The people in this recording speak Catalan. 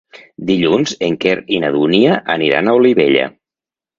Dilluns en Quer i na Dúnia aniran a Olivella.